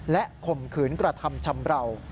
และข่มขืนกระทำชำราว